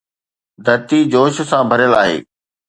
ڌرتي جوش سان ڀريل آهي